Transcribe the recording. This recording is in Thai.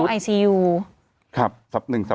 ครับสัปดาห์หนึ่ง